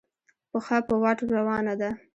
پښه په واټ روانه ده.